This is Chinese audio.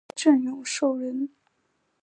来瑱永寿人。